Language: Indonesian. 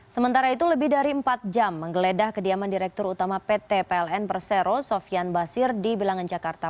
sementara itu lebih dari empat jam menggeledah kediaman direktur utama pt pln persero sofian basir di bilangan jakarta